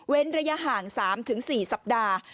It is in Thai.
ระยะห่าง๓๔สัปดาห์